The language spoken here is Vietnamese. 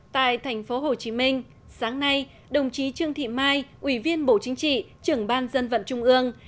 tại tp hcm sáng nay đồng chí trương thị mai ủy viên bộ chính trị trưởng ban dân vận trung ương